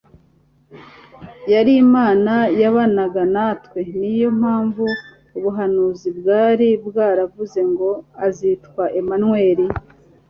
Yari Imana yabanaga natwe" ni yo mpamvu ubuhanuzi bwari bwaravuze ngo "Azitwa Immanuel"